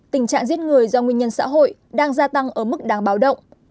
tình trạng giết người do nguyên nhân xã hội đang gia tăng ở mức đáng báo động